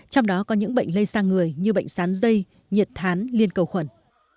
trong đó có những bệnh lây sang người như bệnh sán dây nhiệt thán liên cầu khuẩn